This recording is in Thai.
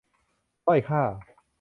ด้อยค่า